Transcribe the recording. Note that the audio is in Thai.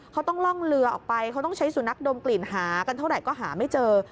เขาต้องล่องเรือออกไปเขาต้องใช้สุนัขดมกลิ่นหากันเท่าไหร่ก็หาไม่เจอ